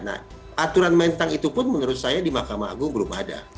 nah aturan mental itu pun menurut saya di mahkamah agung belum ada